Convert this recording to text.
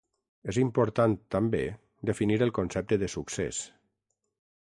És important també definir el concepte de succés.